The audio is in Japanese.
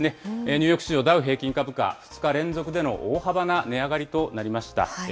ニューヨーク市場ダウ平均株価、２日連続での大幅な値上がりとなりました。